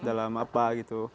dalam apa gitu